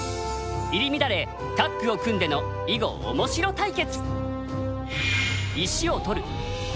入り乱れタッグを組んでの囲碁オモシロ対決！